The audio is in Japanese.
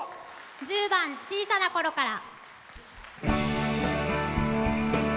１０番「小さな頃から」。